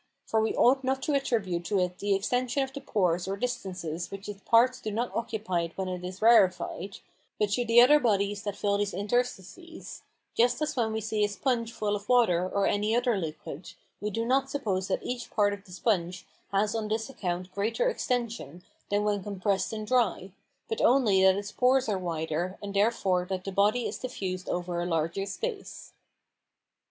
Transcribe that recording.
For we ought not to attribute to it the extension of the pores or distances which its parts do not occupy when it is rarefied, but to the other bodies that fill these interstices; just as when we see a sponge full of water or any other liquid, we do not suppose that each part of the sponge has on this account greater extension than when compressed and dry, but only that its pores are wider, and therefore that the body is diffused over a larger space.